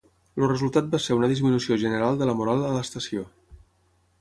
El resultat va ser una disminució general de la moral a l'estació.